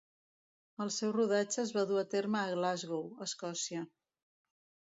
El seu rodatge es va dur a terme a Glasgow, Escòcia.